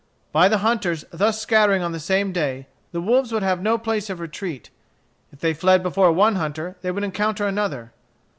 By the hunters thus scattering on the same day, the wolves would have no place of retreat. If they fled before one hunter they would encounter another.